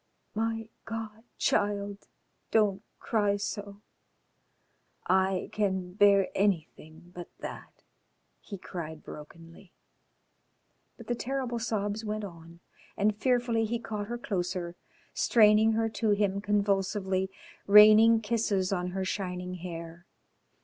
"My God! child, don't cry so. I can bear anything but that," he cried brokenly. But the terrible sobs went on, and fearfully he caught her closer, straining her to him convulsively, raining kisses on her shining hair.